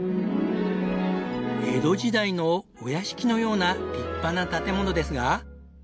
江戸時代のお屋敷のような立派な建物ですが。